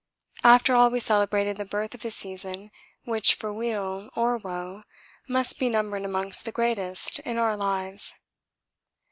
After all we celebrated the birth of a season which for weal or woe must be numbered amongst the greatest in our lives.